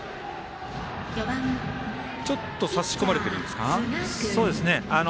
ちょっと差し込まれているんですか。